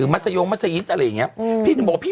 มัสยงมัสยิสต์แบบนี้